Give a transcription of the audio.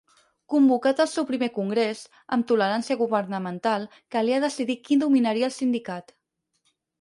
Convocat el seu primer Congrés, amb tolerància governamental, calia decidir qui dominaria el sindicat.